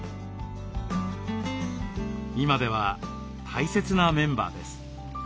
今では大切なメンバーです。